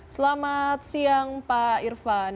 selamat siang pak irvan